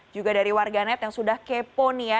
juga dari warganet yang sudah kepo nih ya